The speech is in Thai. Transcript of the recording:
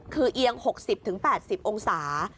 คือเอียง๖๐๘๐องศา